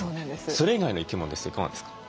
それ以外の生き物ですといかがですか？